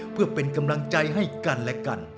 เพื่อเป็นกำลังใจให้กันและกัน